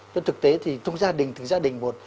nhưng thực tế thì trong gia đình từng gia đình một